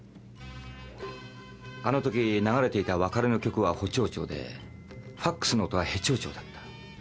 あのとき流れていた「別れの曲」はホ長調でファクスの音はヘ長調だった。